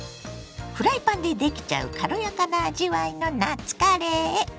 フライパンでできちゃう軽やかな味わいの夏カレー。